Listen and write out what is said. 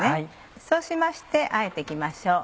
そうしましてあえて行きましょう。